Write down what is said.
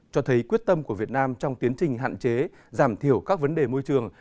cho thấy quyết tâm của việt nam trong tiến trình hạn chế giảm thiểu các vấn đề môi trường